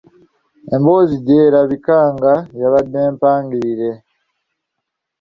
Emboozi gye erabika nga yabadde mpangirire.